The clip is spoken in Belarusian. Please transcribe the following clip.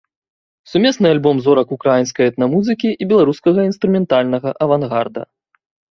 Сумесны альбом зорак украінскай этна-музыкі і беларускага інструментальнага авангарда.